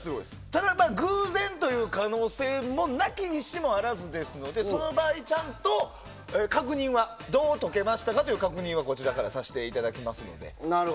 ただ、偶然という可能性も無きにしも非ずですのでその場合、ちゃんとどう解けましたかという確認はさせていただきます。